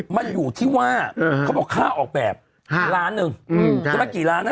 มาอยู่ที่ว่าเขาบอกค่าออกแบบห้าร้านหนึ่งอืมไม่ได้กี่ร้านน่ะ